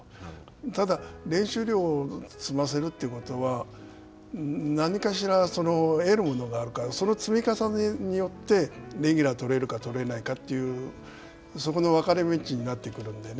ただ、練習量を積ませるってことは何かしら得るものがあるから、その積み重ねによってレギュラーが取れるか取れないかというそこの分かれ道になってくるんでね。